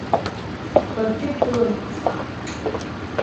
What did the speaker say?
Баргьы бгылан бца.